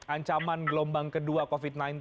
ancaman gelombang kedua covid sembilan belas